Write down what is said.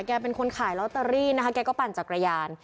เป็นคนขายลอตเตอรี่นะคะแกก็ปั่นจักรยาน